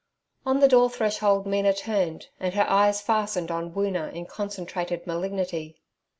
On the door threshold Mina turned, and her eyes fastened on Woona in concentrated malignity.